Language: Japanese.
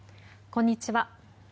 こんにちは。